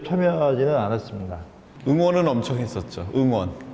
saya sangat mengucapkan semangat